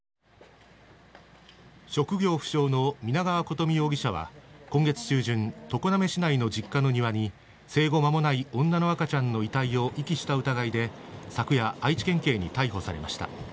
職業不詳の皆川琴美容疑者は今月中旬、常滑市内の実家の庭に生後間もない女の赤ちゃんの遺体を遺棄した疑いで昨夜、愛知県警に逮捕されました。